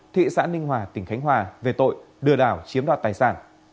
thị xã ninh hòa tỉnh khánh hòa về tội lừa đảo chiếm đoạt tài sản